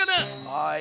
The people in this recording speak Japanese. はい。